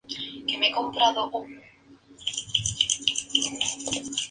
Luego se retiró a su ciudad natal en "Casa del Gobernador".